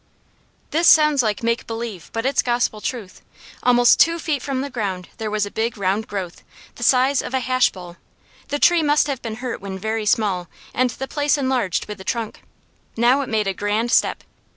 This sounds like make believe, but it's gospel truth. Almost two feet from the ground there was a big round growth, the size of a hash bowl. The tree must have been hurt when very small and the place enlarged with the trunk. Now it made a grand step.